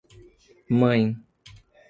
Mãe